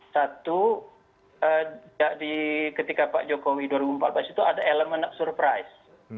satu ketika pak jokowi di tahun dua ribu empat belas ada elemen surprise